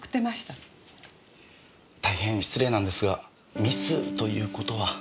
大変失礼なんですが「ミス」という事は。